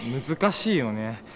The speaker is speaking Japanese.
難しいよね。